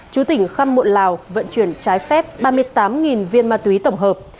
chú tỉnh khăm muộn lào vận chuyển trái phép ba mươi tám viên ma túy tổng hợp